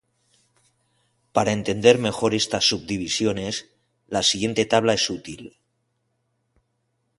Para entender mejor estas subdivisiones, la siguiente tabla es útil.